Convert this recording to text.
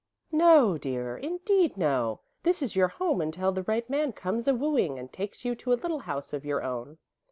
"No, dear indeed no! This is your home until the right man comes a wooing, and takes you to a little house of your own."